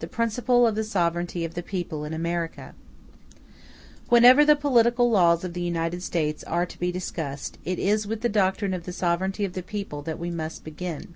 The Principle Of The Sovereignty Of The People In America Whenever the political laws of the United States are to be discussed, it is with the doctrine of the sovereignty of the people that we must begin.